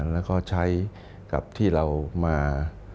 แล้วก็ใช้กับที่เรามา